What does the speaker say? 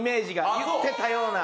言ってたような。